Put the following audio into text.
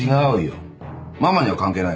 ママには関係ないから。